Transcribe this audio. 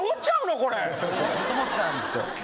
ずっと持ってたんですよ。